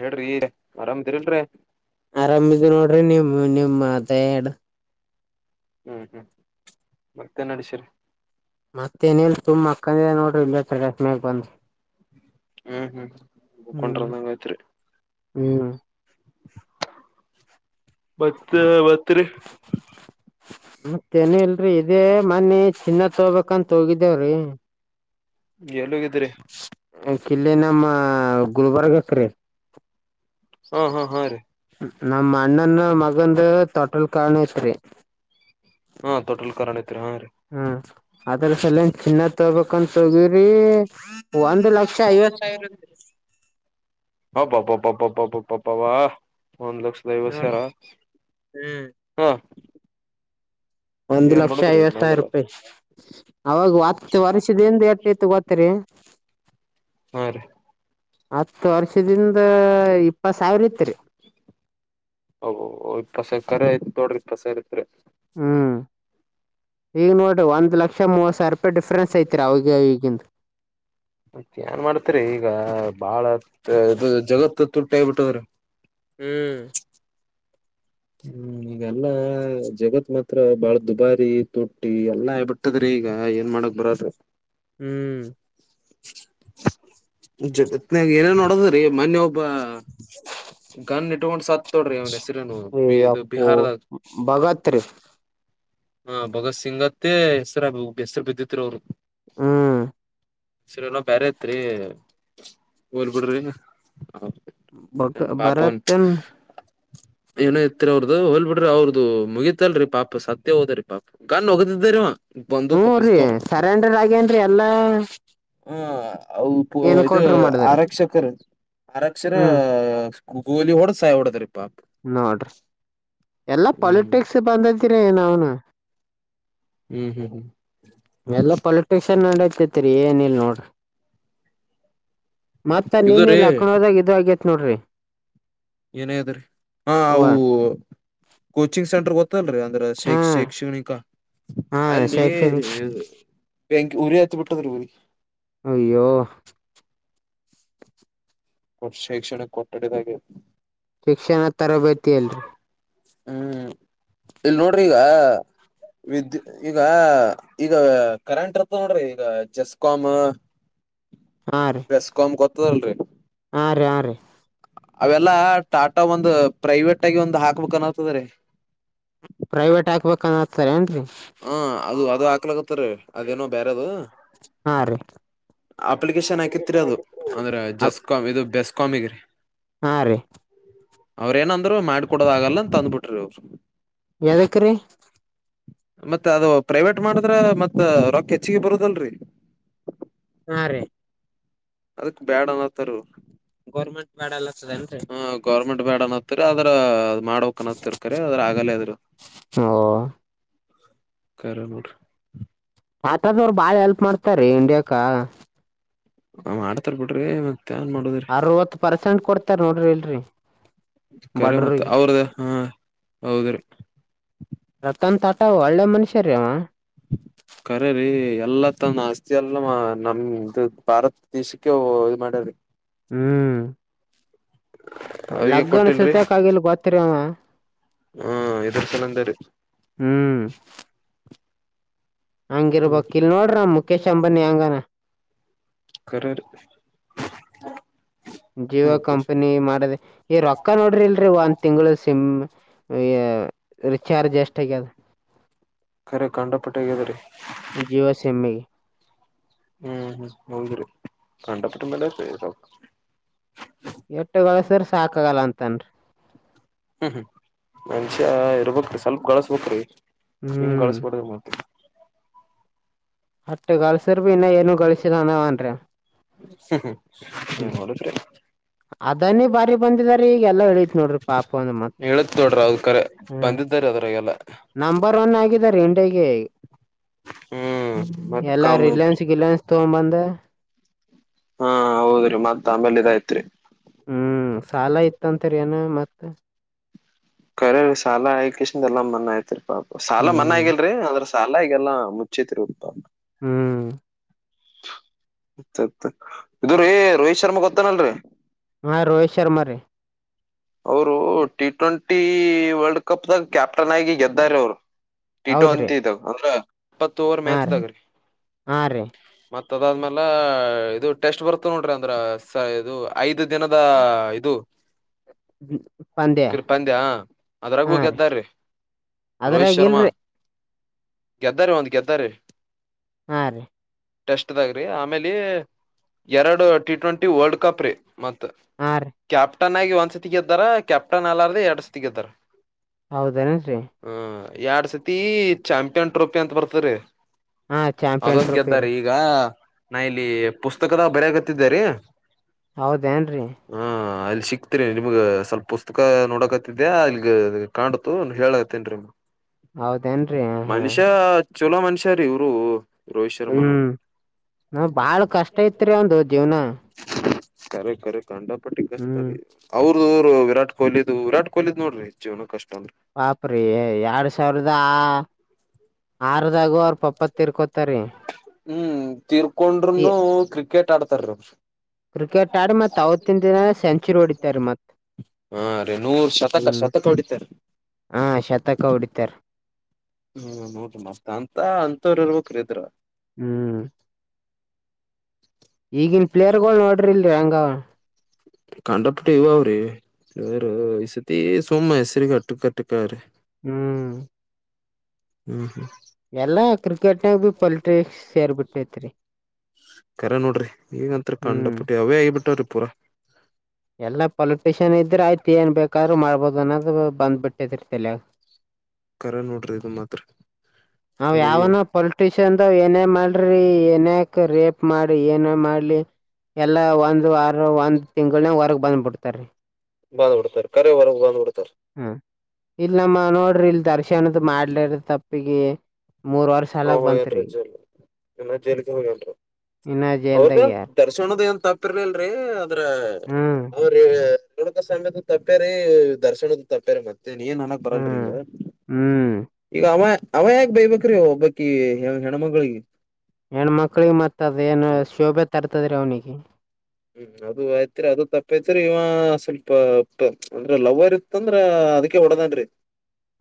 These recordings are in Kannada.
ಹೇಳ್ರಿ ಆರಾಮ್ದಿರಿಲ್ರಿ ಆರಾಮಿದ ನೋಡ್ರಿ ನೀವು ನಿಮ ಮಾತ ಎಡು ಹ್ಮ್ ಹ್ಮ್ ಮತ್ತೆನ್ ನಡಸರಿ ಮತ್ತ ಏನೇಲ್ ಸುಮ್ ಅಕ್ಕಂದ ನೋಡ್ರಿ ಇಲ್ಲಸ್್ಮ್ಯಾಗ ಬಂದಿ ಹ್ಮ್ ಹ್ಮ್ ಹ್ಮ್ ಹಕೊಂಡ್ರ ನಂಗಯತ್ರಿ ಹ್ಮ್ ಮತ್ತ ಬತ್ರಿ ಮತ್ತೆನೇಲ್ ೀ ಇದೇ ಮನ್ನಿ ಚಿನ್ನದತ್ ತಗಬೇಕಂತ ಹೋಗಿದ್ದೇವ್ರಿ ಎಲ್ಲೋಗಿದ್ರಿ ಇಲ್ಲಿ ನಮ್ಮ ಗುಲ್ಬರ್ಗಕ್ರೀ ಹಾ ಹಾ ಹಾ ರೀ ನಮ್ಮ ಅಣ್ಣನ ಮಗಂದ ತೊಟಲ್ ಕಣಸ್ರರಿ ಹಾ ಟೋಟಲ್ ಕನ್ ಐತ್ರಿ ಹಾ ರೀ ಹ್ಮ್ ಅದ್ರ ಸಲನ್ ಚಿನ್ನದ ತಗಬೇಕಂತ ತಗಿರಿ ಒಂದ್ ಲಕ್ಷ ಐವತ್ ಸಾವಿರ [unintelligible] ಹ [unintelligible] [unintelligible] ಒಂದ್ ಲಕ್ಷದ ಐವತ್ತು ಸಾವಿರ ನೋಡ್ರಿ ಹ್ಮ್ ಹಾ ಒಂದ್ ಏನ್ ಲಕ್ಷ ಮಾಡದ್ರಿ ಐವತ್ತುಾವಿರ ನಂದ್ರ ರೂಪಾಯಿ ಅವಾಗ ಹತ್ತು ವರ್ಷದಿಂದ ಎಟ್ಟೈತ್ತು ಗೋತ್ತರಿ [unintelligible] ಹಾ ರೀ ಹತ್ತು ವರ್ಷದಿಂದ ಇಪ್ಪತ್ ಸಾವಿರ ಇತ್ರಿ ಓ್ ಇಪ್ಪಸ ಕರೆ ಐತ್ ದೋಡ್ರಿ ಇಪ್ಪಸಾಯ ಐತ್ರಿ ಹ್ಮ್ ಈಗ ನೋಡ್ರಿ ಒಂದ್ ಲಕ್ಷ ಮೂವತ್ ಸ್ವಲ್ಪ ಡಿಫ್ರೆನ್ಸ್ ಐತಿ ರ ಅವಾಗ ಈಗಿಂದು ಮತ್ತೆ ಏನ್ ಮಾಡ್ತರಿ ಈಗ ಬಾಳ ಇದು ಜಗತ್ತು ತುಟಬಿಟ್ಟದ್ರ ಹ್ಮ್ ಹ್ಮ್ ಈಗೆಲ್ಲಾ ಜಗತ್ ಮಾತ್ರ ಬಾಳ ದುಬಾರಿ ತೊಟ್ಟಿ ಎಲ್ಲಾ ಆಬಿಟ್ಟದ್ರಿ. ಈಗ ಏನ್ ಮಾಡಕ್ ಬರದು. ಹ್ಮ್ ಜಗತ್ನಯಾಗ ಏನೇ ನೋಡೋದ್ರೀ ಮೊನ್ನೆ ಒ ಬ್ಬ ಗನ್ ಇಟ್ಕೊಂಡು ಸತ್ತ ತೊಡ್ರಿ ಅವನ ಹೆಸ್ರನು. ಹೇ ಯಪ್ಪೋ ಭಗತ್ರಿ. ಹ ಭಗತ್ ಸಿಂಗತ್ತೇ ಹೆಸ್ರ ಹೆಸರು ಬಿದ್ದತ್ರಿ ಅವ್ರು. ಹ್ಮ್ ಹೇಸ್ರೆನೋ ಬ್ಯರೆ ತ್ರಿ ಹೋಲ್ ಬಿಡ್ರಿ. ಹ ಬ ಪಾಪನ್ ಬರತ್ತನ್ ಏ ರಿ ಅವ್ರದದು ಹೋಲ್ ಬಿಡ್ರಿ ಅವ್ರದ್ದ ಮುಗಿತಲ್ರಿ ಪಾಪ ಸತ್ಯ ಹೋದ್ರೀ ಪಾಪ ಗನ್ ಹೊಗತಿದ್ದೀವ ಹು ರಿ ಸರೆಂಡರ್ ಆಗೇನ್ರಿ ಎಲ್ಲಾ. ಅ ಪ ಇದು ಎನ್ಕೌಂಟ್ರ ಮಾಡಿದ್ರ ಆರಕ್ಷಕರು ಆರಕ್ಷರ ಹ್ಮ್ ಕೂ ಗೋಲಿಯೋಡ ಸಾಯೋಡ ತದ್ರಿ ಪಾ ನೋಡ್ರಿ ಎಲ್ಲಾ ಹ್ಮ್ ಪಾಲಿಟಿಕ್ಸ್ ಬಂದತಿರಿ ನಾವ್ನು. ಹ್ಮ್ ಹ್ಮ್ ಹ್ಮ್ ಎಲ್ಲಾ ಪೊಲಿಟಿಷನ್ ನಡೈತೈತ್ರಿ ಏನಲ್ ನೋಡ್. ಮತ್ತ ಇದು ನೀನ್ನಿ ರೀ ಲಾಕ್ನೋದಾಗ ಇದು ಆಗ್ಯತ್ ನೋಡ್ರಿ. ಏನೇದ್ರರಿ ಹ ಅವ್ವ ಅವು ಕೋಚಿಂಗ್ ಸೆಂಟರ್ ಗೊ ಇತ್ತನ್ರಿ ಅಂದ್ರೆ ಶೈ ಹ್ಮ್ ಶೈಕ್ಷಣಿಕ ಹಾ ಅಲ್ಲಿ. ಶೈಕ್ಷಣಿಕ ಬೆಂಕಿ ಉರಿ ಅತ್ದ್ಬುಟಾದೆ ಇವರ್ಗೆ. ಅಯ್ಯೋ ಶೈಕ್ಷಣ ಕಟ್ಟಡದಾಗೆ. ಶಿಕ್ಷಣ ತರಬೇತಿ ಎಲ್ರಿ. ಹ್ಮ್ ಇಲ್ ನೋಡ್ರಿ ಈಗ. ವಿದ್ಯುತ್ ಈಗ ಈಗ ಕರೆಂಟ್ ಇರ್ತ ನೋಡ್ರಿ ಈಗ ಜೆಸ್ಕಾಮ್. ಹಾ ರೀ ಬೆಸ್ಕಾಂ ಗೋತ್ತಲ್ರಿ. ಹಾ ರೀ ಹಾ ರೀ ಅವೆಲ್ಲಾ ಟಾಟಾ ಒಂದ್ ಪ್ರೈವೇಟ್ ಆಗಿ ಒಂದ್ ಹಾಕ್ಬೇಕ ಅನ್ತದ ರೀ ಪ್ರೈವೇಟ್ ಹಾಕ್ಬೇಕನ್ ಹತಾರ ಏನ್ರರಿ. ಹಾ ಅದು ಅದು ಹಾಕ್ಲಕತ್ತರಿ ಅದೇನೋ ಬೇರೆದು. ಹಾ ರೀ ಅಪ್ಲಿಕೇಶನ್ ಹಾಕಿತ್ರಿ ಅದು ಅಂದ್ರೆ ಜೆಸ್ಕಾಮ್ ಇದು ಬೆಸ್ಕಾಮಗ್ರೀ. ಹಾ ರಿ ಅವ್ರ ಏನಂದ್ರು ಮಾಡ್ಕ ಕೊಡೋದ ಆಗಲ್ಲ ಅನ್ ತಂದ್ಬಿಟ್ರಿ ಇವ್ರು. ಯದಕ್ಕ್ರೀ ಮತ್ತೆ ಅದು ಪ್ರೈವೇಟ್ ಮಾಡಿದ್ರೆ ಮತ್ ರೊಕ್ಕ ಹೆಚ್ಚಿಗೆ ಬರುದಲ್ರಿ. ಹಾ ರಿ ಅದಕ್ ಬ್ಯಾಡ ಅನತಾರ ಇವ್ರು. ಗೌರ್ಮೆಂಟ್ ಬ್ಯಾಡ [unintelligible] ಮುಟ್ಬ್ಯಾಡ ಬೇಡ ಅನ್ನತೀರ ಅದ್ರ. ಮಾಡಕ್ನತ್ತ ಇರ್ಕಾರೆ ಅದ್ರ ಆಗಲ್ಲೇ ಅದ್ರ. ಓ ಕರೆಬುಡು. ಆಟ ದವ್ರು ಬಾಳ ಹೆಲ್ಪ್ ಮಾಡ್ತಾರೀ ಇಂಡಿಯಕ. ಅವ ಆಡ್ತಾರ್ ಬಿಡ್ರಿ. ಏನ್ ಮಾಡೋದ್ರಿ ಅರವತ್ತು ಪರ್ಸೆಂಟ್ ಕೊಡ್ತಾರ ನೋಡ್ರಿ ಇಲ್ರಿ ಕರೆ ಮತ್ತ ಬಡ್ರರಿಗೆ ಅವ್ರದ ಹಾ ಹೌದ್ರಿ. ರತನ್ ತಾಟ ಒಳ್ಳೆ ಮನುಷ್ಯರೇವ. ಎಲ್ಲ ತನ್ ಆಸ್ತಿ ಎಲ್ಲ ನಮ್ದ ಭಾರತ ದೇಶಕ್ಕೆ ಇ ಮಾಡ್ಯಾರಿ. ಹ್ಮ್ ಅವ್ರಿಗೆ ಲಗ್ನ್ ಸತಕ ಆಗಲ್ ಗೊತ್ರಿ ಅವ. ಹ್ಮ ಇದರ ಚಲಂದ ರಿ ಹಂಗಿರ್ಬೇಕ್ ಇಲ್ ನೋಡ್ರ ಮುಖೇಶ್ ಅಂಬಾನಿ ಹೆಂಗಾನ. ಕರೆ ರಿ ಜಿಯೋ ಕಂಪನಿ ಮಾಡದೆ ಈ ರೊಕ್ಕ ನೋಡ್ರಿ ಇಲ್ರಿ ಒಂದ್ ತಿಂಗಗಳು ಸಿಮ್ ರಿಚಾರ್ಜ್ ಎಷ್ಟ ಆಗ್ಯ ಅದ ಕಖರೆ ಕಂಡಪಟ್ಟೆಗದ ರೀ ಜೀವ ಸಿಮೆಗೆ ಹ್ಮ್ ಹ್ಮ್ ಹೌದರ ಪಂಡತ್ರಂಬಲ್ಲ ಸ ಎಟ್ಟಗಳಸ್ರ ಸಾಕಾಗಲ್ಲ ಅಂತನ್ರಿ ಹ್ಮ್ ಹ್ಮ್ ಮನುಷ್ಯ ಇರ್ಬೇಕಕ್ ಸ್ವಲ್ಪ ಗಾಳಸ್ಬಕ್ ರಿ ಹಿಂಗ್ ಹ್ಮ್ ಕಳಸ್ಬಡ ಮತ್ತೆ ಅಷ್ಟು ಗಳಿಸಿದರೆ ಇನ್ನ ಏನು ಗಳಸಿದನವನ್ರೀ ಅವ ಏನ್ ಮಾಡೋದ್ರಿ ಅದನ್ನೇ ಬಾರಿ ಬಂದಿದಾರಿ ಈಗ ಎಲ್ಲಾ ಇಳಿತ್ ನೋಡ್ರಿ ಪಾಪ [unintelligible] ಒಂದ್ ಮತ್ ಎಳತ್ಕರೆ ಹ್ಮ್ ಬಂದ ಇದ್ದಾರೆ ಅದ್ರಾಗಲ್ಲ ನಂಬರ್ ಒನ್ ಆಗಿದ ರ ಇಂಡಿಯಾಗೆ ಹ್ಮ್ ಮತ್ತೆ ಎಲ್ಲ ರಿಲಯನ್ಸ್ ಗಿಲಯನ್ಸ್ ತಗೊ ಬಂದು ಹಾ ಹೌದ್ರಿ ಮತ್ತ ಹ್ಮ್ ಸಾಲ ಇತ್ತಂತರಿ ಏನ ಮತ್ತ ಕರ ಸಾಲ ಆಯಕಷನ್ ಎಾ ಮನ್ ಯತಿರಿ ಪಾಪ ಸಾಲ ಮನ್ ಹ್ಮ್ ಆಗಲ್ರಿ ಅದ್ರ ಸಾಲ ಈಗಲ್ಲ ಮುಚ್ಚತಿರು ಉಪ ಹ್ಮ್ ಅ ಇದ್ರ ಏ ರೋಹಿತ್ ಶರ್ಮಾ ಗೊತ್ತಾನಲ್ರಿ ಹಾ ರೋಹಿತ ಶರ್ಮಾ ರೇ ಅವರು ಟಿ ಟ್ವೆಂಟಿ ವರ್ಲ್ಡ್ ಕಪ್ ದಾಗ ಕ್ಯಾಪ್ಟನ್ ಆಗಿ ಗೆದ್ದಾರೆ ಅವ್ರು ಟಿಟೋ ಹೌದ್ರಿ ಅಂತಿ ಇದ ಅಂದ್ರ ಇಪ್ಪತ್ತು ಓವರ್ ಹಾ ರೀ ಮ್ಯಾಚ್ದಗ್ರಿ ಹಾ ರೀ ಮ ದಾದ್ಮೇಲ ಇದು ಟೆಸ್ಟ್ ಬರ್ತ ನೋಡ್ರಿ ಅಂದ್ರ ಇದು ಐದು ದಿನದ ಇದು ಪಧ್ಯಾ ಪಂದ್ಯ ಅದ್ರಾಗೂ ಆ ರಿ ಗೆದ್ದಾರ್ರಿ ಅದ್ರಾಗಿಲ್ರಿ ಗೆದ್ದಾರೆ ಒಂದು ಗೆದ್ದಾರೆ ಹಾ ರೀ ಟೆಸ್ಟ್ ದಾಗ್ರಿ ಆಮೇಲಿ ಎರಡು ಟಿ ಟ್ವೆಂಟಿ ವರ್ಲ್ಡ್ ಕಪ್ ರಿ ಮತ್ತ ಹಾ ರೀ ಕ್ಯಾಪ್ಟನ್ ಆಗಿ ಒಂದ್ಸತಿಗೆದ್ದಾರೆ ಕ್ಯಾಪ್ಟನ್ ಅಲಾರ್ದ ಎರಡ್ ಸತಿಗೆದ್ದಾರೆ ಹೌದೇನೇನ್ರಿ ಎರಡ್ ಸತಿ ಚಾಂಪಿಯನ್ ಟ್ರೋಫಿ ಅಂತ ಬರ್ತರಿ ಹಾ ಅದ ಚಾಂಪಿಯನ್ ಟ್ರೋಫಿ ಗೆದ್ದಾರ ರೀ ಈಗ ನಾ ಇಲ್ಲಿ ಪುಸ್ತಕದ ಬರಕತ್ತಿದ್ದಾರೀ ಹೌದೇಏನ್ರಿ ಸಿಕ್ತರಿ ನಿಮ್ಗ್ ಸ್ವಲ್ಪ ಪುಸ್ತಕ ನೋಡಕತ್ತತಿದ್ಯಾ ಇಲ್ಲಿಗ ಕಾಣತು ಹೇಳತ್ತೇನ್ ಹೌದೇಏನ್ರರಿ ಹಾ ಚಲೋ ಮನುಷ್ಯಾರ ಇವ್ರು ರೋಹಿತ್ ಶರ್ಮಾನು ಹ್ಮ್ ನಾವ್ ಬಾಳ ಕಷ್ಟ ಐತ್ರಿ ಅವ್ನು ಜೀವ್ನ ಕರೇಕ್ ರೇಕ್ ಅಂಡಾಪಟ್ಟಿ ಕಷ್ಟತಾರೆ ಅವ್ರದರು ವಿರಾಟ್ ಕೊಹ್ಲಿದು ವಿರಾಟ್ ಕೊಹ್ಲಿದ್ ನೋಡ್ರ ಜೀವನ ಕಷ್ಟ ಅಂದ್ರ ಬಾಪ್ರೀ ಎರಡ್ ಸಾವಿರದ ಆರು ಹ್ಮ್ ತೀರ್ಕೊಂಡರುೂನು ಕ್ರಿಕೆಟ್ ಆಡ್ತಾರೀ ಕ್ರಿಕೆಟ್ ಆಡಿ ಮತ್ ಅವವತ್ತಿನ ದಿನ ಸೆಂಚುರಿ ಹೊಡಿತಾರೆ ಮತ್ ಹಾ ರೀ ನೂರ್ ಶತಕ ಹ್ಮ್ ಶತಕ ಹೊಡಿತಾರ ಹಾ ಶತಕ ಹೊಡಿತಾರ ಹ್ಮ್ ನೋಡ್ರಿ ಮತ್ತ ಅಂತ ಅಂತವ್ರಲ್ ಕರಿದ್ರು ಹ್ಮ್ ಈಗನ್ ಪ್ಲೇಯರ್ ಗಳು ನೋಡ್ರಿಲ್ರರಿ ಹಂಗವ ಕಂಡಪಟ್ಟ ಇವ ಅವ್ರಿ ಇರು ಈ ಸತಿ ಸುಮ್ಮ ಹೆಸರಿ ಅಟ್ಟಕ್ ಕಟ್ಟಕ್ರಿ ಹ್ಮ್ ಹ್ಮ್ ಹ್ಮ್ ಎಲ್ಲಾ ಕ್ರಿಕೆಟ್ನಾಗ ಬಿ ಪಾಲಿಟಿಕ್ಸ್ ಸೇರ್ ಬಿಟ್ಟೈತ್ರಿ ಕರೆ ನೋಡ್ರಿ ಈಗಂತರ ಹ್ಮ್ ಕಂಡಪಟ್ಟಿ ಅವೇ ಆಗಿ ಬಿಟ್ಟವ್ರಿ ಪೂರಾ ಎಲ್ಲಾ ಪೊಲಿಟಿಷಿಯನ್ ಇದ್ರೆ ಆಯ್ತ ಏನ್ ಬೇಕಾದ್ರು ಮಾಡ್ಬೋದು ಅನ್ನೋದ್ ಬಂದಬಿಟ್ಟದ್ರಿ ತೆಲ್ಯಾಗ ಕರೆ ನೋಡ್ರಿ ಇದು ಮಾತ್ರ ಬರೇ ಚಂದಾವ್ ಏನೇ ಮಾಡ್ರಿ ಏನಯಾಕ ರೇಪ್ ಮಾಡಿ ಏನೇ ಮಾಡ್ಲಿ ಎಲ್ಲಾ ಒಂದ್ ವಾರ ಒಂದ್ ತಿಂಗಳನ ಹೊರಗ್ ಬಂದ್ಬಿಡ್ತಾರೀ ಬಂದ್ಬಿತಡ್ತಾರಿ ಕರೆ ಹೊರ ಬಂದ್ಬಡ್ತಾರಿ ಹ್ಮ್ ಇಲ್ಲ ನಮ್ಮ ನೋಡ್ರಿ ಇಲ್ ದರ್ಶನದ ಮಾಡ್ಲಾರ ತಪ್ಪಿಗೆ ಮೂರ್ ವರ್ಷ ಹಾ ಸಾಲಾಕ್ ಬಂತ್ರಿ ಹೋಗ್ಯೇನರಿ ಜೈಲಗ ಇನ್ನಾ ಜೈಲ್ಗೆ ಹೋಗ್ಯನ್ರರಿ ಇನ್ನ ಜೈಲ್ದಾಗ ಅವ್ರದೆನ್ ಯಾರ್ ದರ್ಶನದ ಏನ್ ತಪ್ಪಿರ್ಲಲ್ರಿ ಅದ್ರ ಹ್ಮ್ ಅವ್ರ ರೇಣುಕಾ ಸ್ವಾಮಿದು ತಪ್ಪೇರಿ ದರ್ಶನುದ ತಪ್ಪೇರಿ ಮತ್ತೆ ಏನ್ ಅನಕ್ ಬರಲ್ರರಿ ಹ್ಮ್ ಈಗ ಹ್ಮ್ ಈಗ ಅವ ಅವ ಯಾಕ ಬೈಬೇಕ್ರಿ ಒಬ್ಬ ಅಕಿ ಹೆಣ್ಣ ಮಗಳಿಗಿ ಹೆಣ ಮಕ್ಳಿಗೆ ಮತ್ತ ಅದ್ ಏನ್ ಶೋಭೆ ತರ್ತದ್ರಿ ಅವ್ನಿಗೆ ಹ್ಮ್ ಅದು ಯಾತ್ರಿ ಅದು ತಪ್ಪೈತಿರಿ ಇವ ಸ್ವಲ್ಪ ಅಂದ್ರೆ ಲವರ ಇತ್ತಂದ್ರ ಅದಕ್ಕೆ ಹೊಡದನರೀ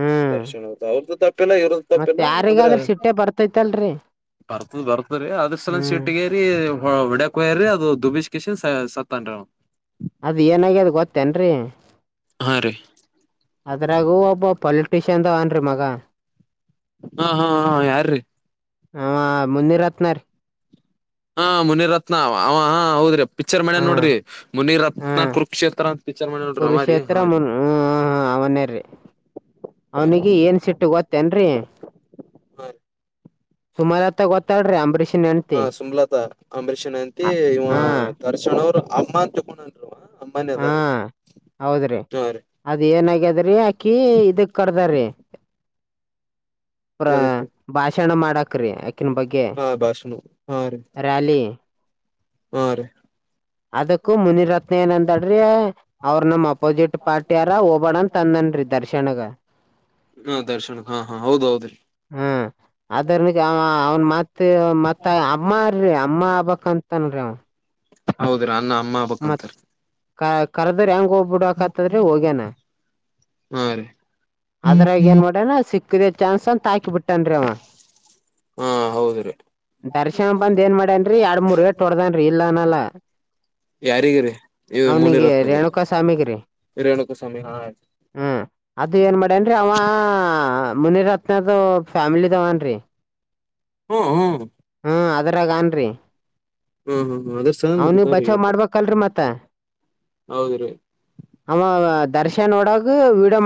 ಹ್ಮ್ ದರ್ಶನ್ ಅವ್ರ್ದ ತಪ್ಪ ತಪ್ಪಿಲ್ಲ ಇರುದ ಮತ್ ತಪ್ಪಿಲ್ಲ ಅಂದ್ರೆ ಯಾರಿಗಾದ್ರೂ ಸಿಟ್ಟೆ ಬರ್ತೈತಲ್ರಿ ಬರ್ತದ ಬರ್ತ್ರರಿ ಅದ್ರರ ಸಲಂದ ಹ್ಮ್ ಶೀಟ್ಗೇರಿ ಹ್ಮ ವಡಕ್ಯಗರಿ ಅದು ದುಬಿಷ್ ಕೆಶಿನ್ ಸತ್ತನರಿ ಅವ ಅದ್ ಏನಾಗ ಅದ್ ಗೊತ್ತೇನ್ರರಿ ಹಾ ರೀ ಅದ್ರಾಗೂ ಒಬ್ಬ ಪೊಲ್ಟ ಟಷನ್ಂದಾಗಾನ್ರಿ ಮಗಾ ಹಾ ಹಾ ಹಾ ಯಾರ್ರೀ ಹ ಮುನ್ನಿರತ್ನ ರೀ ಹಾ ಮುನಿರತ್ನ ಅವ ಹಾ ಹೌದ್ರಿ ಪಿಕ್ಚರ್ ಮಾಡ್ಯನ ಹಾಂ ನೋಡ್ರಿ ಮುನಿರತ್ನ ಹಾಂ ಕುರುಕ್ಷೇತ್ರ ಅಂತ ಪಿಕ್ಚರ್ ಮಾಡ್ಯಾನ್ ನೋಡ್ರಿ ಅವ ರೀ ಕುರುಕ್ಷೇತ್ರ ಹಾ ಮು ರೀ ಹ್ಮ್ ಹ ಹಾ ಅವನೇರ್ರಿ ಅವ್ನಿಗಿ ಏನ್ ಸಿಟ್ಟು ಗೋತ್ತೇನ್ರಿ ಹಾ ರೀ ಸುಮಲತಾ ಗೋತ್ತ ಹಾ ಸುಮಲತಾ ಅಂಬರೀಷನ್ ಹೆಂಡತಿ ಅ- ಇವ ಹಾಂ ದರ್ಶನ್ ಅವರ ಅಮ್ಮ ಅಂತ ತಳಕೊಂಡನ್ರಿ ಅವ ಅಮ್ಮನೇ ಅದಾರೀ ಹಾಂ ಹೌದ್ರಿ ಅದ್ ಏನಗ್ಯದ್ರಿ ಅಕಿ ಇದಕ್ ಕರ್ದಾರ್ರಿ ಪ್ರ ಎದಕ್ ಭಾಷಣ ಮಾಡಕ್ರೀ ಅಕಿನ ಬಗ್ಗೆ ಹಾ ಭಾಷಣ ಹಾ ರೀ ರ‍್ಯಾಲಿ ಹಾ ರೀ ಅದಕ್ಕೂ ಮುನಿರತ್ನ ಏನಂದಳರಿ ಅವ್ರ ನಮ ಅಪೋಸಿಟ್ ಪಾರ್ಟಿ ಯಾರ ಹೋಗಬ್ಯಾಡ ತಂದನ ನನ್ರಿ ದರ್ಶನಗ ಹಾ ದರ್ಶನಗ ಹಾ ಹಾ ಹೌದ ಹೌದ್ರೀ ಹ್ಮ್ ಅದರ್ನಗ ಅವ್ನ್ ಮತ್ ಮತ್ತ ಅಮ್ಮರೀ ಅಮ್ಮ ಆಬಕ್ಂತನರಿ ಅವನ್ ಹೌದ್ರಿ ಅನ್ನ ಅಮ್ಮ ಹಾಬೆಕ್ಂತರಿ ಕ ಕರ್ದರ್ ಹೆಂಗ ಹೋಗ್ಬಿಡ್ಕತ್ತದ್ರೆ ಹೋಗ್ಯನ ಹಾ ರೀ ಅದ್ರಾಗ ಏನ್ ಮಾಡನ ಸಿಕ್ಕದೆ ಚಾನ್ಸ್ ಅಂತ ಹಾಕ ಬಿಟ್ಟನ್ ರಿ ಅವ ಹಾ ಹೌದ್ರಿ ದರ್ಶನ ಬಂದ ಏನ್ ಮಾಡ್ಯನ್ರಿ ಎರಡ್ ಮೂರ್ ಎಟ ಒಡ್ದನ್ರಿ ಇಲ್ಲ ಅನಲ್ಲಾ ಯಾರಿಗರಿ ಇ ಮುನಿರತ್ನಗಿರಿ ರೇಣುಕಾ ಸ್ವಾಮಿಗ್ರಿ ರೇಣುಕುಸ್ವಾಮಿಗ ಹ ರಿ ಹ ಅದು ಏನ್ ಮಾಡೇನ್ರಿ ಅವ ಮುನಿರತ್ನದ ಫ್ಯಾಮಿಲದವನ್ರಿ ಹ್ಮ್ ಹ್ಮ್ ಹ್ಮ ಅದರಾಗನ್ರಿ ಹಾ ಹಾ ಹಾ ಮಾಡ್ಬೇಕಲ್ರಿ [unintelligible] ಮತ್ತ ಅವ ದರ್ಶನೋಡಾಗ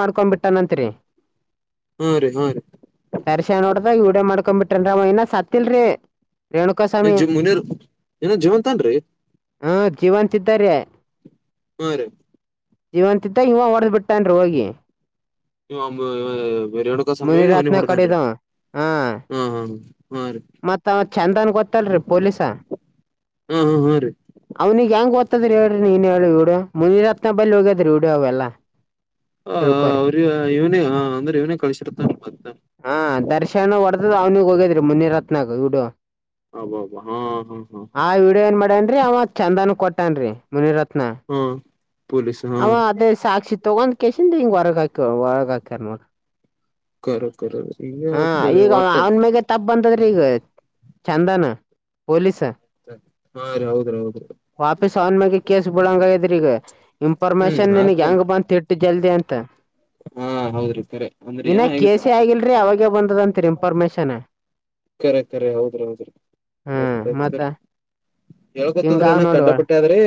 ಮಾಡ್ಕೊಂಡ್ ಬಿಟ್ಟ ನಂತ್ರಿ ಹಾ ರೀ ಹಾ ದರ್ಶನ ನೋಡ್ದಾಗ ವಿಡಿಯೋ ಮಾಡ್ಕೊ ಬಿಟ್ರನ್ ಅವ ಇನ್ನ ಸತ್ತಲ್ರಿ [unintelligible] ಏನ ಜೀವಂತನ್ರಿ ಹಾ ಜೀವಂತ ಇದಾ ರೀ ಹೂ ರೀ ಜೀವಂತಿತ್ತ ಇವ ಹೊಡದ್ ಬಿಟ್ಟನೆ ಹೋಗಿ [unintelligible] ಅವನಿಗೆ ಮುನಿರತ್ನ ಹೊಡತನ್ರಿ [inaudible] ಕಡಿದವ ಹಾ ಹಾ ಹಾ ರೀ ಮತ್ತ ಅವ ಚಂದನ್ ಗೊತ್ತಲ್ರಿ ಪೊಲೀಸ [inaudible] ಹಾ ಹಾ ಹಾ ರೀ ಅವನಿಗೆ ಹೆಂಗ ಗೊತ್ತ [unintelligible] ಹಾ ಅವ್ರ ಇವ್ನೇ ಹಾ ಅಂದ್ರೆ ಇವ್ನೇ ಕಳ್ಸಿರ್ತನೆ ಮತ್ತ ಅವ್ನಿಗ್ ಹೋಗದ್ರಿ ಮುನಿರತ್ನ ವಿಡಿಯೋ ಅಬ್ಬಬ್ಬ ಹಾ ಹಾ ಹಾ ಆ ವಿಡಿಯೋ ಏನ್ ಮಾಡೇನ್ರೀ ಅವಾಗ ಚಂದನ್ ಕೊಟ್ಟನ್ರಿ ಮುನಿರತ್ನ ಹಾ ಪೊಲೀಸ್ ಹಾ ಅವ ರೀ ಅದೇ ಸಾಕ್ಷಿ ತಗೊಂಡ್ ಕೆಸನ್ ಹಿಂಗ ಹೊರಗಾಕ್ಯ ಒರಗ ಹಾಕ್ಯಾರ ನೋಡ ಕರೆ ಕರ ಇಗ ಅರೆ ಈಗ ವಾಟ್ಟ ಅವನ್ ಮ್ಯಾಗೆ ತಪ್ಪ ಬಂದದ್ರಿ ಈಗ [inaudible] ಚಂದನ್ [inaudible] ಪೊಲೀಸ ಹಾ ರೀ ಹೌದ್ರೀ ಹೌದ್ರ ವಾಪಸ್ ಅವನ್ ಮ್ಯಾಗ ಕೇಸ್ ಬಿಡಂಗದ್ರ ಈಗ ಹ್ಮ್ ಇನ್ಫಾರ್ಮೇಶನ್ ನಿಂಗ್ ಆತಲ್ ಹೆಂಗ ಬಂದ ಇಟ್ಟು ಜಲ್ದಿ ಅಂತ ಹಾ ಹೌದ್ರಿ ಕರೆ ಅಂದ್ರಿ ಏನ ಆಗಿತ್ತು ಬಂದದಂತೀರಿ ಇನ್ಫಾರ್ಮೇಶನ್ ಕರೆ ಕರೆ ಹೌದ್ರಿ ಹೌದ್ರಿ [inaudible] ಹ್ಮ್ ಆಯ್ತ ಮತ್ತ ಆಯ್ತರಿ ಹೇಳ್ಕೊತ್ತದ್ರ ಕಿಂಗ್ ಆವ್ ಏನ ನೋಡಿ ಕಂಡಪಟ್ಟ ಆದ್ರೆ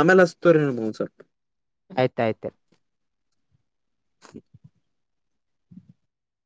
ಆಮೇಲ್ ಹಚ್ತವಿನ್ರಿ ಸ್ವಲ್ಪ ಆಯ್ತಾ ಆಯ್ತು [inaudible]